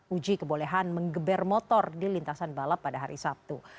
uji kebolehan mengeber motor di lintasan balap pada hari sabtu